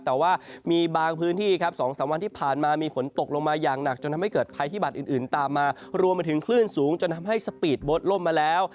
แต่ว่ามีบางพื้นที่ครับ๒๓วันที่ผ่านมามีฝนตกลงมาอย่างหนักจนทำให้เกิดภัยพิบัตรอื่นตามมารวมไปถึงคลื่นสูงจนทำให้สปีดโบ๊ทล่มมาแล้ว